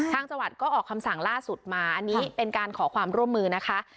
จังหวัดก็ออกคำสั่งล่าสุดมาอันนี้เป็นการขอความร่วมมือนะคะ